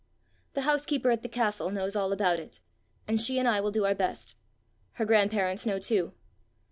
The housekeeper at the castle knows all about it, and she and I will do our best. Her grandparents know too.